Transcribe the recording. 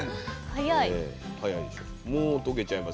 早い。